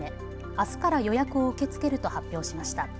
あすから予約を受け付けると発表しました。